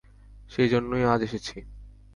সেইজন্যেই আজ এসেছি।